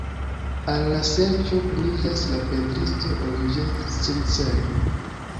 Al la serĉo kuniĝas la pentristo Olivier Sinclair.